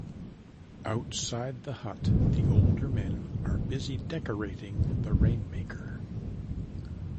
Outside the hut, the older men are busy decorating the rainmaker.